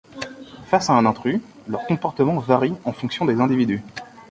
Face à un intrus, leur comportement varie en fonction des individus.